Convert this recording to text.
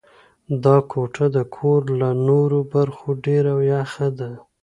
دا کوټه د کور له نورو برخو ډېره یخه ده.